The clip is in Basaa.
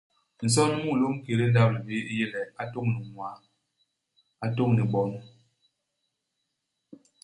Nson u mulôm ikédé ndap-libii u yé le, a tôñ ni ñwaa. A tôñ ni bon.